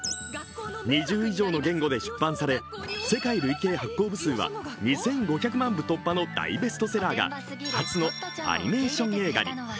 ２０以上の言語で出版され、世界累計発行部数は２５００万部突破の大ベストセラーが初のアニメーション映画に。